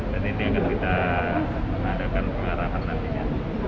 dan ini akan kita mengadakan pengarahan nantinya